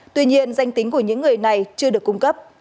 tuy nhiên danh tính của những người này chưa được cung cấp